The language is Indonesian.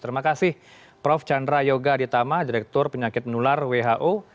terima kasih prof chandra yoga aditama direktur penyakit menular who